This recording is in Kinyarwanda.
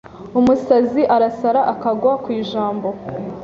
Umusazi arasara akagwa kw’ijambo